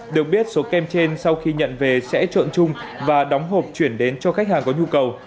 được biết số kem trên sau khi nhận về sẽ trộn chung và đóng hộp chuyển đến cho khách hàng có nhu cầu